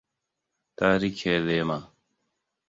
Ta rike lema.